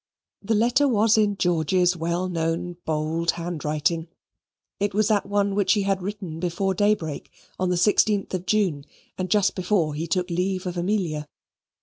The letter was in George's well known bold handwriting. It was that one which he had written before daybreak on the 16th of June, and just before he took leave of Amelia.